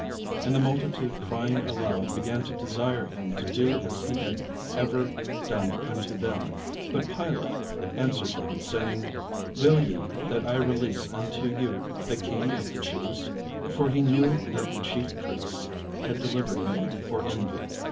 And the multitude crying aloud began to desire him to do as he had ever done unto them. But Pilate answered them, saying: "Will ye that I release unto you the King of the Jews?" For he knew that the chief priests had delivered him for envy.